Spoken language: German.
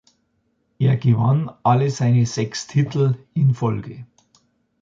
Er gewann alle seine sechs Titel in Folge.